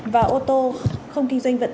và ô tô không kinh doanh vận tải